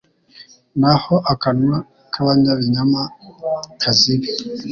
naho akanwa k’abanyabinyoma kazibe